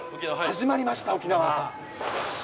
始まりました、沖縄。